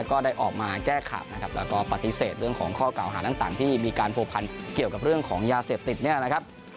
ก็ได้ออกมาแก้ข่าวนะครับแล้วก็ปฏิเสธเรื่องของข้อเก่าหาต่างที่มีการผัวพันเกี่ยวกับเรื่องของยาเสพติดเนี่ยนะครับ